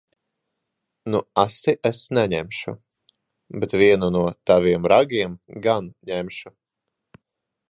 Nu asti es neņemšu. Bet vienu no taviem ragiem gan ņemšu.